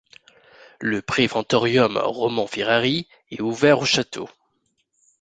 Le préventorium Romans-Ferrari est ouvert au château.